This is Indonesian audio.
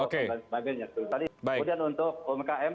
kemudian untuk umkm